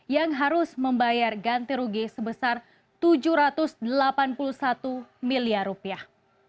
yang harus membayar ganti rugi sebesar tujuh ratus delapan puluh satu miliar rupiah